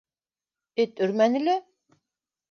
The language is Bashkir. - Эт өрмәне лә...